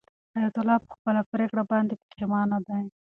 حیات الله په خپله پرېکړه باندې پښېمانه دی.